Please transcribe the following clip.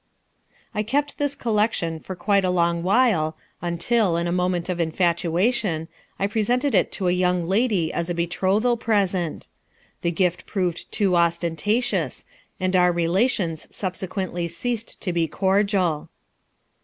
I kept this collection for quite a long while until, in a moment of infatuation, I presented it to a young lady as a betrothal present. The gift proved too ostentatious and our relations subsequently ceased to be cordial.